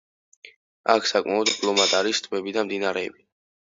აქ საკმაოდ ბლომად არის ტბები და მდინარეები.